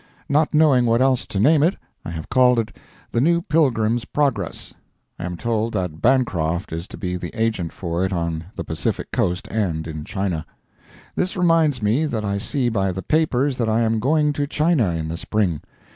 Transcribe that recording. Not knowing what else to name it, I have called it "THE NEW PILGRIM'S PROGRESS," I am told that Bancroft is to be the agent for it on the Pacific Coast and in China. This reminds me that I see by the papers that I am going to China in the spring.